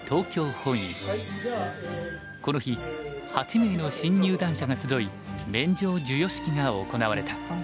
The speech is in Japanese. この日８名の新入段者が集い免状授与式が行われた。